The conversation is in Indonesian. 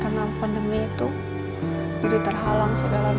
karena pandemi itu jadi terhalang segala macam